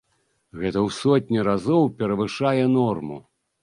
Гэта ў сотні разоў перавышае норму.